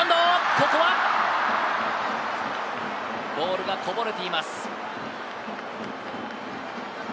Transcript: ここは、ボールがこぼれています。